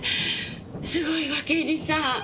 すごいわ刑事さん。